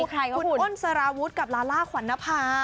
คุณอ้นสารวุฒิกับลาล่าขวัญนภา